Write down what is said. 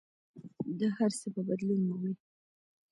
دا هر څه به بدلون مومي.